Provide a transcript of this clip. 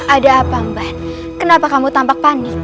ada apa mbak kenapa kamu tampak panik